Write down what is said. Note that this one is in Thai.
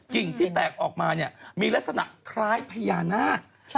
กิ่งที่แตกออกมาเนี่ยมีลักษณะคล้ายพญานาค